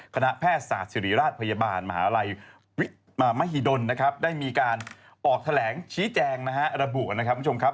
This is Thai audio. คณะแพทย์ศาสตร์ศิริราชพยาบาลมหาลัยมหิดลนะครับได้มีการออกแถลงชี้แจงนะฮะระบุนะครับคุณผู้ชมครับ